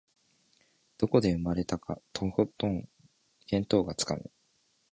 どこで生まれたかとんと見当がつかぬ